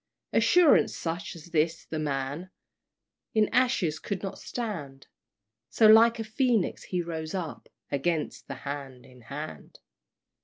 Assurance such as this the man In ashes could not stand; So like a Phoenix he rose up Against the Hand in Hand!